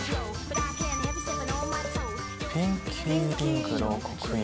「ピンキーリングの刻印」。